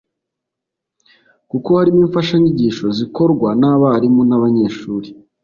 kuko harimo imfashanyigisho zikorwa n’abarimu n’abanyeshuri